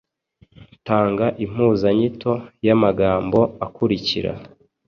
Tanga impuzanyito y’amagambo akurikira: